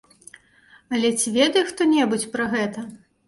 Але ці ведае хто-небудзь пра гэта?